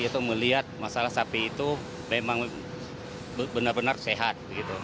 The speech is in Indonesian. itu melihat masalah sapi itu memang benar benar sehat